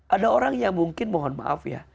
ada orang yang mungkin mohon maaf ya